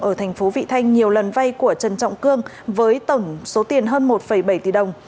ở thành phố vị thanh nhiều lần vay của trần trọng cương với tổng số tiền hơn một bảy tỷ đồng